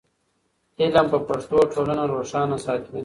علم په پښتو ټولنه روښانه ساتي.